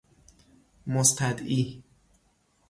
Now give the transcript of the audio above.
مستدعی